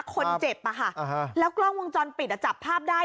คนเจ็บอะค่ะแล้วกล้องวงจรปิดอ่ะจับภาพได้